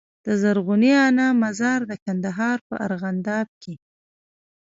د زرغونې انا مزار د کندهار په ارغنداب کي